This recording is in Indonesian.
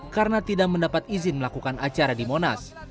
karena tidak mendapat izin melakukan acara di monas